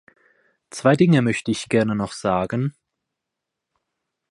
Zwei Dinge möchte ich gerne noch sagen.